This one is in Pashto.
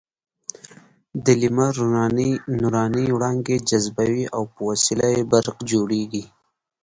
د لمر نوراني وړانګې جذبوي او په وسیله یې برق جوړېږي.